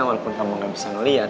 walaupun kamu gak bisa melihat